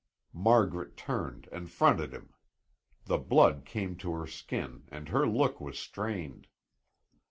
Margaret turned and fronted him. The blood came to her skin and her look was strained.